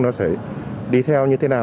nó sẽ đi theo như thế nào